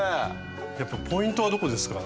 やっぱポイントはどこですか？